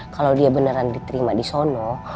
kalau dia beneran diterima di sono